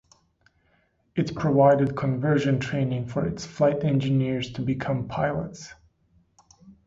It provided conversion training for its flight engineers to become pilots.